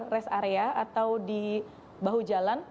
rest area atau di bahu jalan